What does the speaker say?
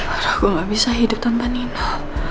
aku tidak bisa hidup tanpa nino